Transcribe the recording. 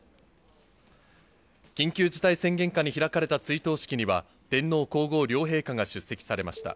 緊急事態宣言下に開かれた追悼式には、天皇皇后両陛下が出席されました。